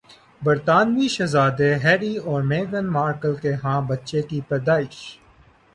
برطانوی شہزادے ہیری اور میگھن مارکل کے ہاں بچے کی پیدائش